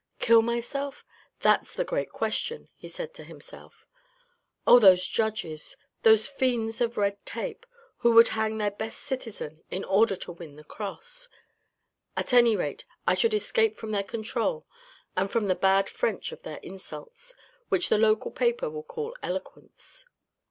" Kill myself? That's the great question," he said to himself. "Oh, those judges, those fiends of red tape, who would hang their best citizen in order to win the cross. .. At any rate, I should escape from their control and from the bad French of their insults, which the local paper will call eloquence."